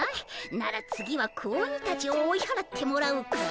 なら次は子鬼たちを追いはらってもらおうか？